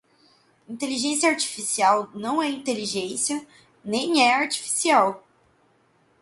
Inteligência Artificial não é inteligência nem é artificial.